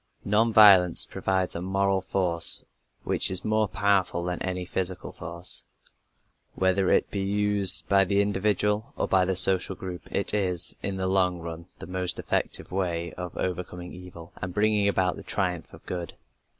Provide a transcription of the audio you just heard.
Non violence provides a moral force which is more powerful than any physical force. Whether it be used by the individual or by the social group, it is, in the long run, the most effective way of overcoming evil and bringing about the triumph of good.